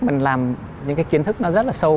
mình làm những cái kiến thức nó rất là sâu